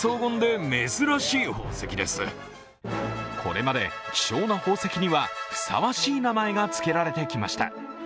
これまで希少な宝石にはふさわしい名前がつけられてきました。